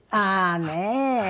ああねえ！